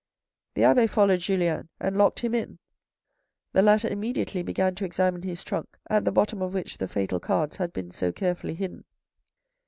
The abbe followed Julien and locked him in. The latter immediately began to examine his trunk, at the bottom of which the fatal cards had been so carefully hidden.